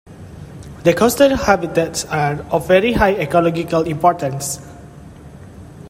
The coastal habitats are of very high ecological importance.